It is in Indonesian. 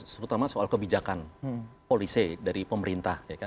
terutama soal kebijakan polisi dari pemerintah